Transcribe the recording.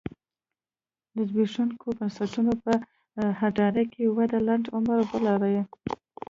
د زبېښونکو بنسټونو په اډانه کې وده لنډ عمر ولري.